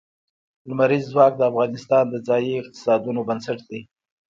لمریز ځواک د افغانستان د ځایي اقتصادونو بنسټ دی.